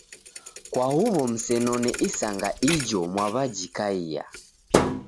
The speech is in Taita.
Kwa huw'o msenone isanga ijo mwaw'uyajikaia.